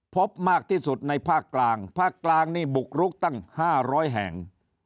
พบมากที่สุดในภาคกลางภาคกลางนี่บุกรุกตั้ง๕๐๐แห่ง